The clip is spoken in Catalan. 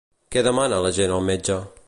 Què demana la gent al metge?